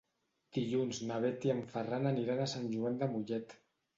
Dilluns na Bet i en Ferran aniran a Sant Joan de Mollet.